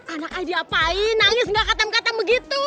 anak i diapain nangis nggak katem katem begitu